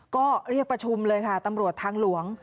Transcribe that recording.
ก็เรียกประชุมเลยค่ะตำรวจทางหลวง